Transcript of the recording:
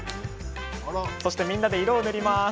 そして、みんなで色を塗ります。